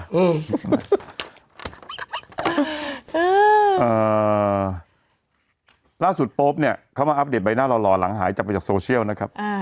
อืมล่าสุดโป๊ปเนี่ยเขามาอัปเดตใบหน้าหล่อหลังหายจากไปจากโซเชียลนะครับ